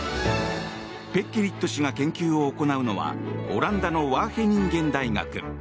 ペッケリット氏が研究を行うのはオランダのワーヘニンゲン大学。